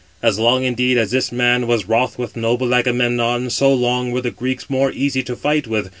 As long indeed as this man was wroth with noble Agamemnon, so long were the Greeks more easy to fight with.